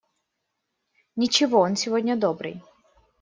Ничего, он сегодня добрый.